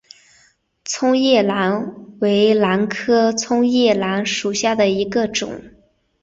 葱叶兰为兰科葱叶兰属下的一个种。